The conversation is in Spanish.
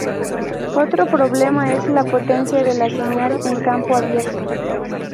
Otro problema es la potencia de la señal en campo abierto.